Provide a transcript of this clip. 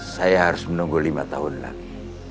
saya harus menunggu lima tahun lagi